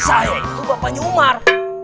saya itu bapaknya umar